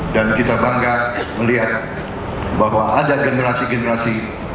dan kita bangga melihat bahwa ada generasi generasi